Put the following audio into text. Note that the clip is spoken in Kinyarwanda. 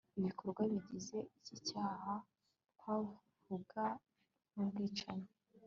ibikorwa bigize iki cyaha twavuga nk ubwicanyi